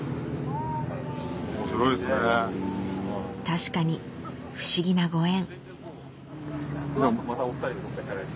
確かに不思議なご縁。